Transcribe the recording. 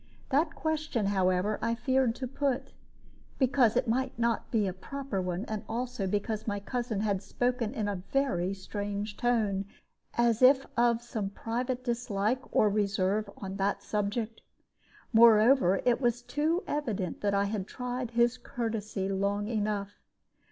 That question, however, I feared to put, because it might not be a proper one, and also because my cousin had spoken in a very strange tone, as if of some private dislike or reserve on that subject. Moreover, it was too evident that I had tried his courtesy long enough.